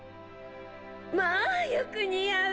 まあよく似合う！